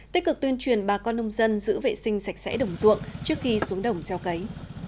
tích cực tuyên truyền bà con nông dân giữ vệ sinh sạch sẽ đồng ruộng trước khi xuống đồng gieo cấy